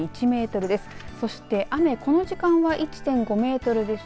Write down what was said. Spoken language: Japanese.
風速は１４．１メートルです。